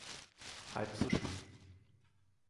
Halb so schlimm.